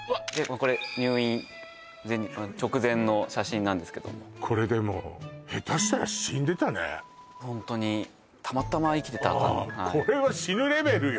これ入院直前の写真なんですけどもこれでもホントにたまたま生きてたうんこれは死ぬレベルよ